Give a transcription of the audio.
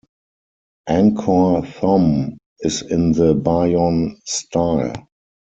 Angkor Thom is in the Bayon style.